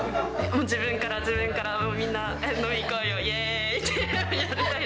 自分から、自分から、みんな飲みに行こうよ、イエーイって。